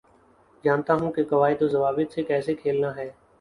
جانتا ہوں کے قوائد و ضوابط سے کیسے کھیلنا ہے